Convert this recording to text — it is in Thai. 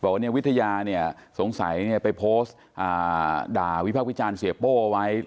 บอกว่าวิทยาสงสัยไปโพสต์ด่าวิพักวิจารณ์เสียโป้ไว้